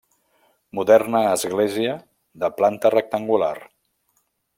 Moderna església de planta rectangular.